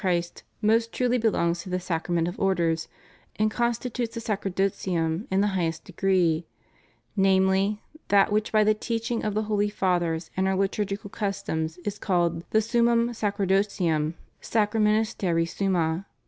Christ most truly belongs to the Sacrament of Ordera and constitutes the sacerdotium in the highest degree, namely, that which by the teaching of the holy Fathers and our liturgical customs is called the "summum sacer dotium, sacri ministerii summa."